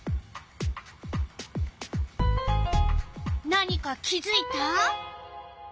何か気づいた？